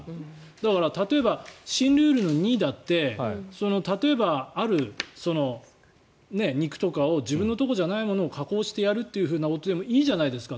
だから例えば新ルールの２だって例えば、ある肉とかを自分のところじゃないものを加工してやるということでもいいじゃないですか。